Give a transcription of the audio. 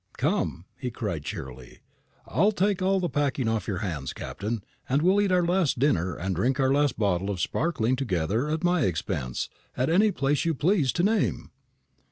"Come," he cried cheerily, "I'll take all the packing off your hands, Captain; and we'll eat our last dinner and drink our last bottle of sparkling together at my expense, at any place you please to name."